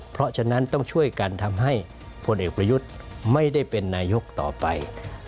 เพราะฉะนั้นต้องช่วยกันทำให้พลเอกประยุทธ์ไม่ได้เป็นนายกต่อไป